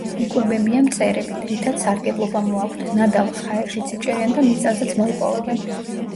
იკვებებიან მწერებით, რითაც სარგებლობა მოაქვთ; ნადავლს ჰაერშიც იჭერენ და მიწაზეც მოიპოვებენ.